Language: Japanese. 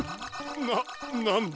ななんだ！？